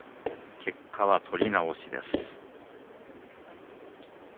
結果は取り直し。